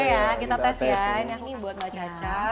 boleh ya kita tes ya ini buat mbak caca